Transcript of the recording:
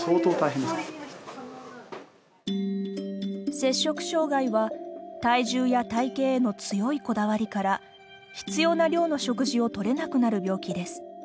摂食障害は体重や体型への強いこだわりから必要な量の食事を取れなくなる病気です。